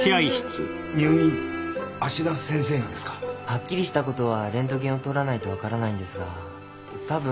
はっきりしたことはレントゲンを撮らないと分からないんですが多分。